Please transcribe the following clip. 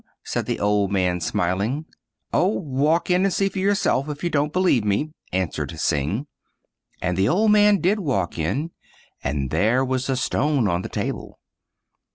" said the old man, smiling.^ " Oh, walk in and see for yourself if you don't believe me," answered Hsing; and the old man did walk in, and there was the stone on the table.